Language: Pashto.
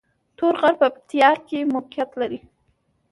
تور غر په پکتیا کې موقعیت لري